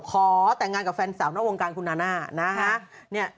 ขอแต่งงานกับแฟนสาวนอกวงการคุณนาน่านะฮะ